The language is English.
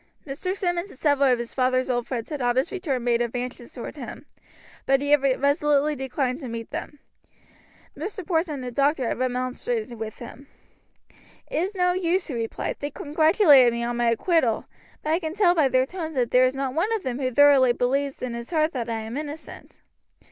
Mr. Simmonds and several of his father's old friends had on his return made advances toward him, but he had resolutely declined to meet them. Mr. Porson and the doctor had remonstrated with him. "It is no use," he replied. "They congratulated me on my acquittal, but I can tell by their tones that there is not one of them who thoroughly believes in his heart that I am innocent."